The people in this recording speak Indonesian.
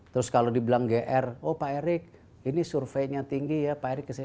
terus kalau dibilang gr oh pak erik ini surveinya tinggi ya pak erick kesini